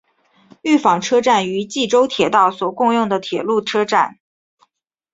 御坊车站与纪州铁道所共用的铁路车站。